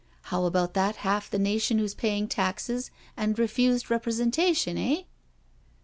How about that half the nation who's paying taxes and refused representation, eh?"